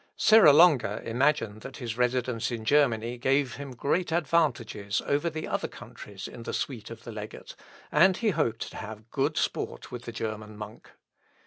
Serra Longa imagined that his residence in Germany gave him great advantages over the other courtiers in the suite of the legate, and he hoped to have good sport with the German monk.